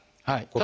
はい。